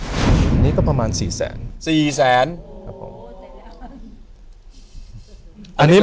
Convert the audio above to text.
อันนี้ก็ประมาณ๔แสน